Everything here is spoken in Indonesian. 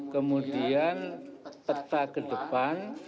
kemudian peta ke depan